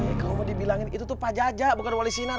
eh kamu mau dibilangin itu tuh pak jajak bukan wali sinar